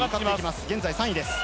現在３位です。